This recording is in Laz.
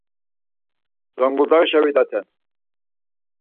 Zunguldağişa vidaten.